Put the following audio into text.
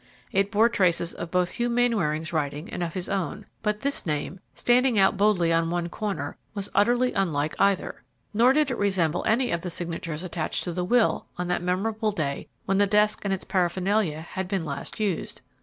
It bore traces both of Hugh Mainwaring's writing and of his own, but this name, standing out boldly on one corner, was utterly unlike either. Nor did it resemble any of the signatures attached to the will on that memorable day when the desk with its paraphernalia had been last used.